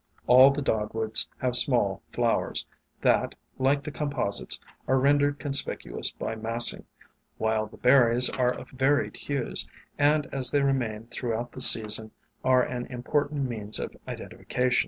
All the Dogwoods have small flowers that, like the composites, are rendered conspicuous by massing, while WAYFARERS 28 1 the berries are of varied hues, and as they remain throughout the season are an important means of identification.